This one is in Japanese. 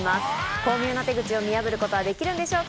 巧妙な手口を見破ることはできるのでしょうか？